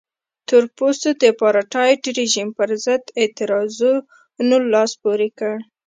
تور پوستو د اپارټایډ رژیم پرضد اعتراضونو لاس پورې کړ.